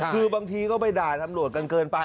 คือบางทีก็ไปด่าตำรวจกันเกินไป